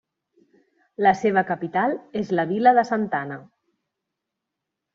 La seva capital és la vila de Santana.